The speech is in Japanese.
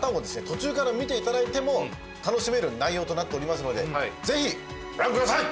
途中から見ていただいても楽しめる内容となっておりますのでぜひご覧ください！